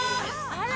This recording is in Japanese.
あら！